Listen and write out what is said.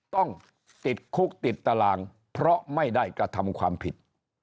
ต้องติดคุกติดตารางเพราะไม่ได้กระทำความผิด